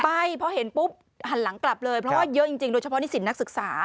ไปพอเห็นปุ๊บหันหลังกลับเลยเพราะว่าเยอะจริงโดยเฉพาะนิสินนักศึกษา